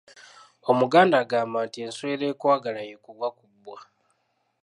Omuganda agamba nti "ensowera ekwagala y'ekugwa ku bbwa".